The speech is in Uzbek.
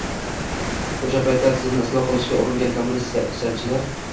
o‘sha paytda tizimni isloh qilishga uringan kommunist siyosatchilar